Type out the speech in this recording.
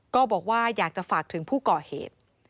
ก็บอกว่าอยากจะฝากถึงผู้ก่อเหตุ